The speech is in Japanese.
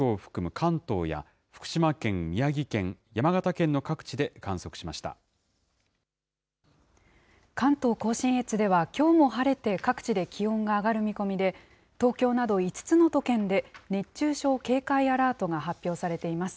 関東甲信越ではきょうも晴れて各地で気温が上がる見込みで、東京など５つの都県で熱中症警戒アラートが発表されています。